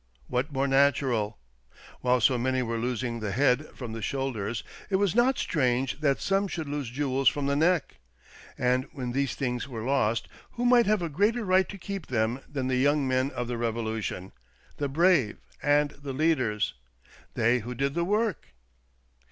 What more natural ? While so many were losing the head from the shoulders, it was not strange that some should lose jewels from the neck. And when these things were lost, who might have a greater right to keep them than the young men of the Revolution, the brave, and the leaders, they who did the work